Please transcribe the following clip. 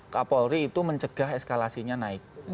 kapolri itu mencegah eskalasinya naik